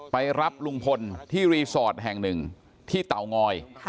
ไปรับลุงพลที่รีสอร์ทแห่งหนึ่งที่เตางอย